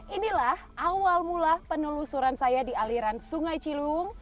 inilah awal mula penelusuran saya di aliran sungai ciliwung